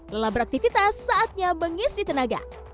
lelah beraktivitas saatnya mengisi tenaga